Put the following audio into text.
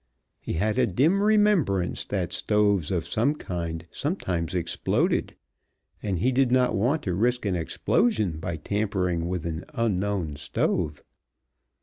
He had a dim remembrance that stoves of some kind sometimes exploded, and he did not want to risk an explosion by tampering with an unknown stove.